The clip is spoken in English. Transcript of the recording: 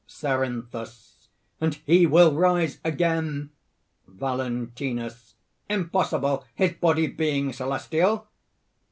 CERINTHUS. "And He will rise again!" VALENTINUS. "Impossible his body being celestial!"